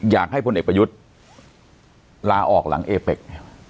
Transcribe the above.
อยากให้ผลเอกประยุทธ์ลาออกหลังเอเป็ก